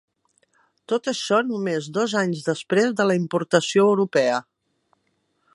Tot això només dos anys després de la importació europea.